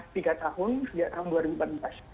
sudah tiga tahun sudah tahun dua ribu empat belas